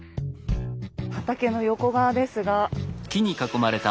畑の横側ですが。